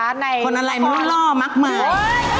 คนอะไรมันมุ่งล่อมากมาย